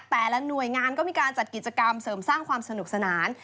แต่ละหน่วยงานก็มีการจัดกิจกรรมเสริมสร้างความสนุกสนาน